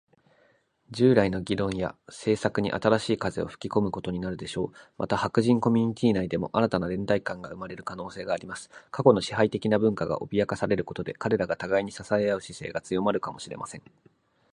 政治的には、マイノリティとしての白人の存在は、新たな政策やコミュニティの形成に影響を与えるかもしれません。彼らの視点が、従来の議論や政策に新しい風を吹き込むことになるでしょう。また、白人コミュニティ内でも、新たな連帯感が生まれる可能性があります。過去の支配的な文化が脅かされることで、彼らが互いに支え合う姿勢が強まるかもしれません。